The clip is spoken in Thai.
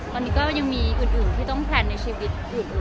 ตอนนี้ก็จะมีอื่นที่ต้องแพลนในชีวิต